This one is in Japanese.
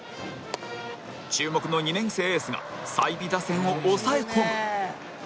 注目の２年生エースが済美打線を抑え込む